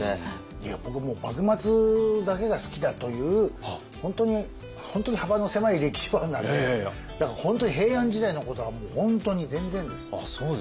いや僕もう幕末だけが好きだという本当に幅の狭い歴史ファンなんでだから本当に平安時代のことはもう本当に全然です。